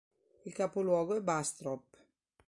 Il capoluogo è Bastrop.